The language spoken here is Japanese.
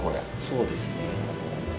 そうですね。